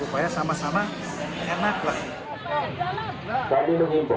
supaya sama sama enak lah